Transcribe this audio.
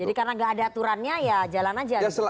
jadi karena tidak ada aturannya ya jalan saja